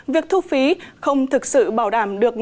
việc thu phí không thực sự bảo đảm được